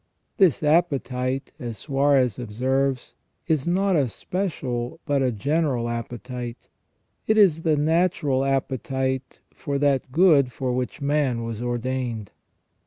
This appetite, as Suarez observes, is not a special but a general appetite ; it is the natural appetite for that good for which man was ordained.